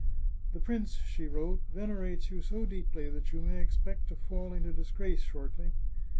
" The prince," she wrote, " venerates you so deeply that you must expect to fall into disgrace shortly.